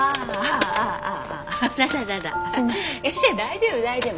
大丈夫大丈夫。